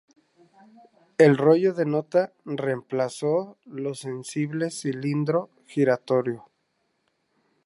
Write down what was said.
El rollo de nota reemplazó los sensibles cilindro giratorio.